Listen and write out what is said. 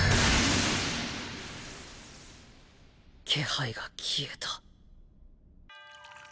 気配が消えた。